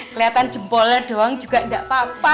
keliatan jempolnya doang juga gak apa apa